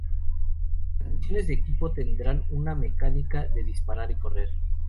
Las misiones de equipo tendrán una mecánica de "disparar y correr".